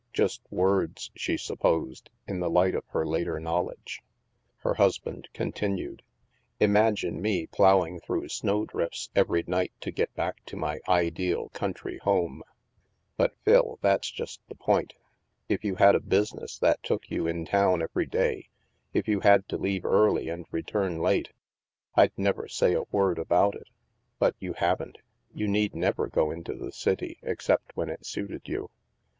Just words, she supposed, in the light of her later knowl edge. Her husband continued :" Imagine me plowing through snowdrifts every night to get back to my ideal country home !"'* But Phil, that's just the point If you had a business that took you in town every day, if you had to leave early and return late, I'd never say a word about it. But you haven't. You need never go into the city, except when it suited you."